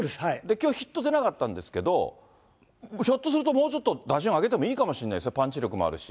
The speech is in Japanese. きょう、ヒット出なかったんですけど、ひょっとすると、もうちょっと打順上げてもいいかもしれないですね、パンチ力もあるし。